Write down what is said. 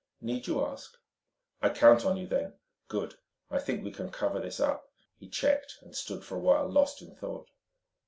"Need you ask?" "I count on you, then. Good. I think we can cover this up." He checked and stood for a while lost in thought.